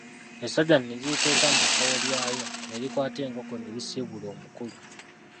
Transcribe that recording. Essajja ne liriteeka mu nsawo yaalyo, ne likwata enkoko ne lisiibula omukulu.